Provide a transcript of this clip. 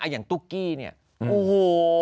อย่างตุ๊กกี้เนี่ยโอ้โห